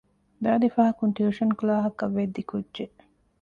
ދާދި ފަހަކުން ޓިއުޝަން ކްލާހަކަށް ވެއްދި ކުއްޖެއް